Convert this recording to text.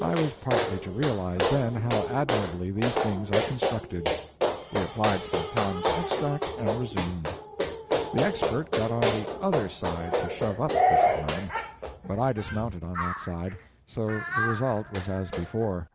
I was partly to realize, then, how admirably these things are constructed. We applied some Pond's Extract, and resumed. The Expert got on the _other _side to shove up this time, but I dismounted on that side; so the result was as before.